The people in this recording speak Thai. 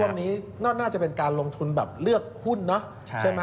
วันนี้ก็น่าจะเป็นการลงทุนแบบเลือกหุ้นเนอะใช่ไหม